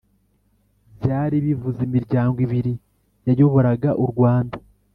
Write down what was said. byari bivuze imiryango ibiri yayoboraga u rwanda